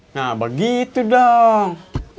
nah begitu dong